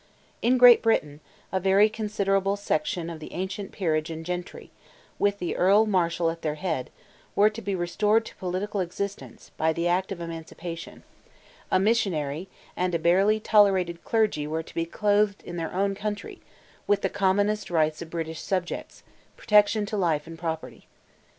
In Great Britain, a very considerable section of the ancient peerage and gentry, with the Earl Marshal at their head, were to be restored to political existence, by the act of Emancipation; a missionary, and barely tolerated clergy were to be clothed, in their own country, with the commonest rights of British subjects—protection to life and property.